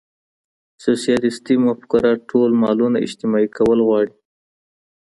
سوسیالیستي مفکوره ټول مالونه اجتماعي کول غواړي.